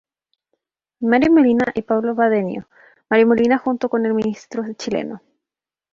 Mario Molina y Pablo Badenio.Mario Molina junto con el ministro chileno.